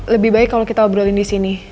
lebih baik kalau kita obrolin di sini